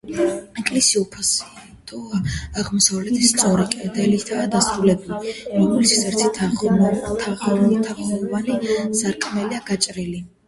ეკლესია უაფსიდოა და აღმოსავლეთით სწორი კედლითაა დასრულებული, რომელშიც ერთი თაღოვანი სარკმელია გაჭრილი.